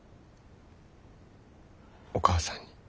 お母さんに。